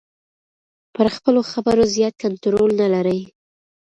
پر خپلو خبرو زیات کنټرول نلري.